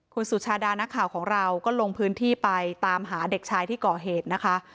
คุณสุชาดานักข่าวของเราก็ลงพื้นที่ไปตามหาเด็กชายที่ก่อเหตุนะคะ